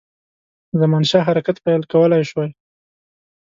زمانشاه حرکت پیل کولای شوای.